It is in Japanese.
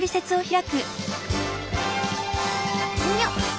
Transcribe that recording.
よっ。